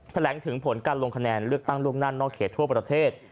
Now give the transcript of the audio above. แถลงถึงผลการลงคะแนนเลือกตั้งล่วงหน้านอกเขตทั่วประเทศ